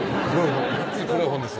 がっつり黒い本です